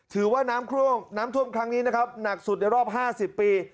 ถือว่าน้ำท่วมครั้งนี้นะครับหนักสุดในรอบ๕๐ปี